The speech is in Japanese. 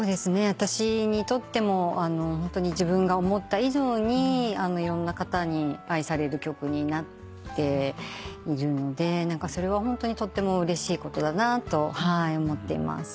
私にとってもホントに自分が思った以上にいろんな方に愛される曲になっているのでそれはホントにとってもうれしいことだなと思っています。